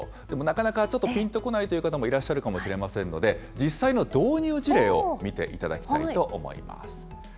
でもなかなかちょっとピンとこないという方もいらっしゃるかもしれませんので、実際の導入事例を見ていただきたいと思います。